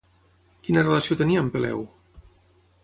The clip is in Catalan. Quina relació tenia amb Peleu?